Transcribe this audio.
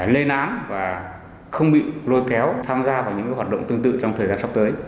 lên án và không bị lôi kéo tham gia vào những hoạt động tương tự trong thời gian sắp tới